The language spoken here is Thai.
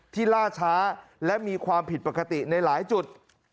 ล่าช้าและมีความผิดปกติในหลายจุด